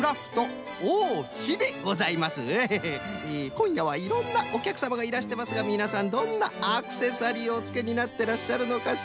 こんやはいろんなおきゃくさまがいらしてますがみなさんどんなアクセサリーをおつけになっていらっしゃるのかしら？